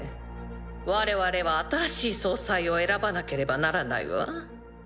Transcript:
我々は新しい総裁を選ばなければならないわ。